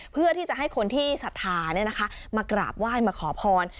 เพื่อที่จะให้คนที่ศรัทธามากราบไหว้มาขอพร